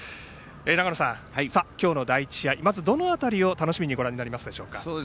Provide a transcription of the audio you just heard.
長野さん、今日の第１試合まずどの辺りを楽しみにご覧になりますでしょうか？